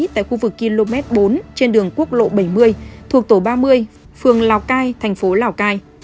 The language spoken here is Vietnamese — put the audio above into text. tại khu vực km bốn trên đường quốc lộ bảy mươi thuộc tổ ba mươi phường lào cai thành phố lào cai